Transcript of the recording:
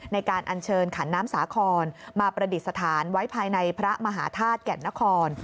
อันเชิญขันน้ำสาครมาประดิษฐานไว้ภายในพระมหาธาตุแก่นนคร